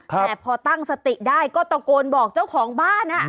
แต่พอตั้งสติได้ก็ตะโกนบอกเจ้าของบ้าน